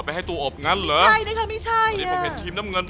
ได้หรือยัง